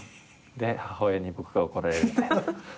で母親に僕が怒られるみたいな。